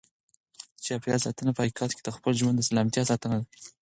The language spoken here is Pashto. د چاپیریال ساتنه په حقیقت کې د خپل ژوند د سلامتیا ساتنه ده.